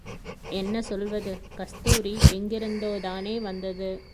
என்ன சொல்வது கஸ்தூரி எங்கிருந்தோதானே வந்தது.